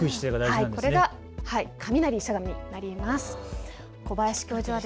これが雷しゃがみになります。